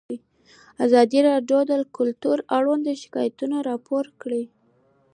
ازادي راډیو د کلتور اړوند شکایتونه راپور کړي.